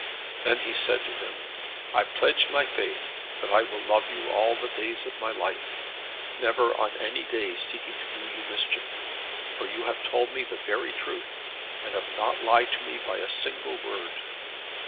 Then he said to him, "I pledge my faith that I will love you all the days of my life, never on any day seeking to do you a mischief, for you have told me the very truth, and have not lied to me by a single word."